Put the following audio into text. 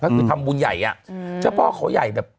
ก็คือทำบุญใหญ่อ่ะเจ้าพ่อเขาใหญ่แบบ